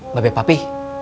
mbak be papi